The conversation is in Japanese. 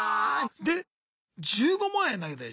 で１５万円投げたでしょ？